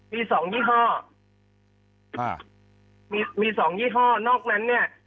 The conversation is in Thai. มี๒ยี่ห้อมี๒ยี่ห้อนอกนั้นเนี่ย